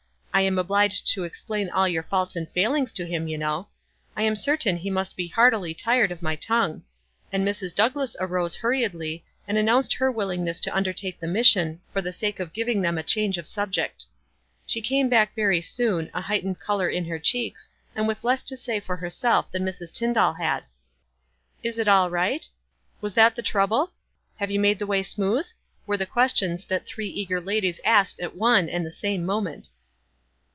I am obliged to ex plain all your faults and failings to him, you know. I am certain he must be heartily tired of my tongue," — and Mrs. Douglass arose hur riedly, and announced her willingness to under take the mission, for the sake of giving them a change of subject. She came back very soon, a heightened color in her cheeks, and with less to say for herself than Mrs. Tyndall had. "Is it all riffht?" —" Was that the trouble?" — "Have you made the way smooth?" were the questions that three eager ladies asked at one and the same moment.